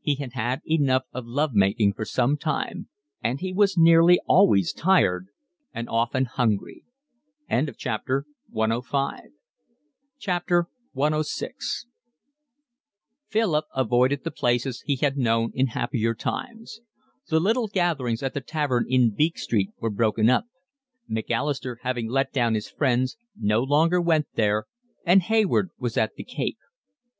He had had enough of love making for some time; and he was nearly always tired and often hungry. CVI Philip avoided the places he had known in happier times. The little gatherings at the tavern in Beak Street were broken up: Macalister, having let down his friends, no longer went there, and Hayward was at the Cape.